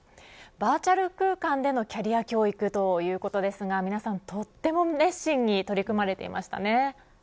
バーチャル空間でのキャリア教育ということですが皆さんとても熱心に取り組まれていましたね。